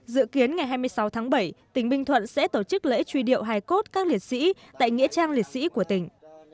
dự kiến ngày hai mươi sáu tháng bảy tỉnh bình thuận sẽ tổ chức lễ truy điệu hai cốt các liệt sĩ tại nghĩa trang liệt sĩ của tỉnh